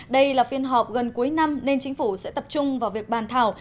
đây là phiên họp gần cuối năm nên chính phủ sẽ tập trung vào việc bàn thảo